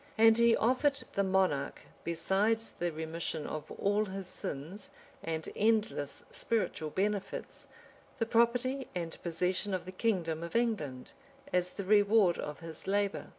And he offered the monarch, besides the remission of all his sins, and endless spiritual benefits, the property and possession of the kingdom of England, as the reward of his labor.